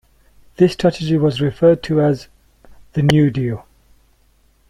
This strategy was referred to as "The New Deal".